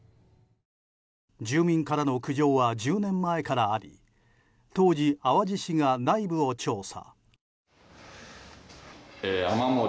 住民からの苦情は１０年前からあり当時、淡路市が内部を調査。